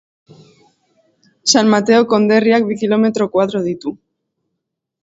San Mateo konderriak bi kilometro koadro ditu.